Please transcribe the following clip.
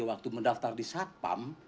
waktu mendaftar di satpam